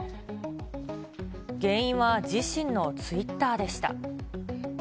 原因は自身のツイッターでした。